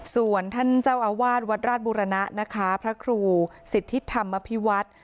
ส่วนท่านเจ้าอาวาสวัดราชบุรณะนะคะพระครูสิทธิธรรมภิวัฒน์